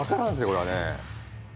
これはね。